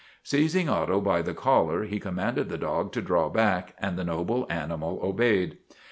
Seizing Otto by the collar he commanded the dog to draw back, and the noble animal obeyed.